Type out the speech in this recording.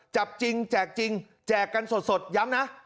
จับจริงแจกจริงแจกกันสดย้ำนะ